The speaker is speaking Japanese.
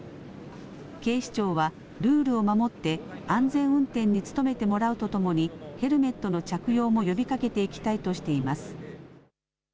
警視庁は、ルールを守って安全運転に努めてもらうとともに、ヘルメットの着用も呼びかけていきたいとしています。